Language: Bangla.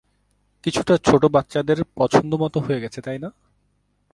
কিছুটা ছোট বাচ্চাদের পছন্দ মত হয়ে গেছে তাই না?